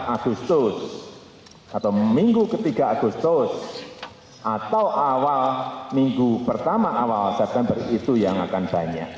agustus atau minggu ketiga agustus atau awal minggu pertama awal september itu yang akan banyak